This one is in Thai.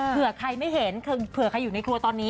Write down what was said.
เผื่อใครอยู่ในครัวตอนนี้